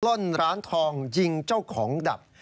ล่นร้านทองยิงเจ้าของดับ